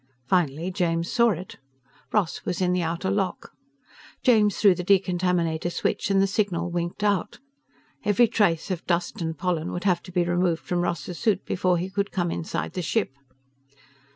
Finally James saw it. Ross was in the outer lock. James threw the decontaminator switch and the signal winked out. Every trace of dust and pollen would have to be removed from Ross's suit before he could come inside the ship.